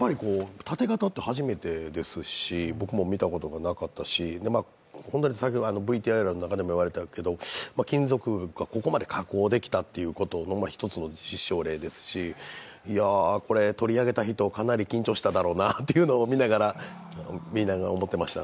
盾形って初めてですし、僕も見たことがなかったし、ＶＴＲの中でも言われていたけど、金属がここまで加工できたという一つの実証例ですし、取り上げた人、かなり緊張しただろうなと見ながら思ってました。